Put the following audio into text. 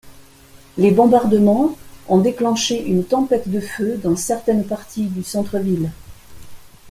Les bombardements ont déclenché une tempête de feu dans certaines parties du centre-ville.